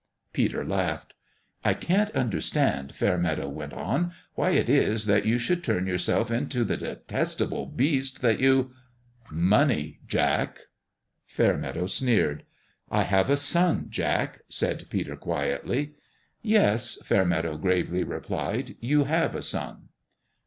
Peter laughed. " I can't understand," Fairmeadow went on, " why it is that you should turn yourself into the detestable beast that you "" Money, Jack." PALE PETER'S DONALD 129 Fairmeadow sneered. " I have a son, Jack," said Peter, quietly. " Yes," Fairmeadow gravely replied ;" you have a son."